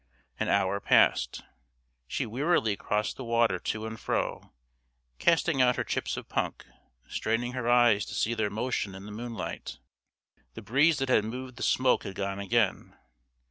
An hour passed. She wearily crossed the water to and fro, casting out her chips of punk, straining her eyes to see their motion in the moonlight. The breeze that had moved the smoke had gone again.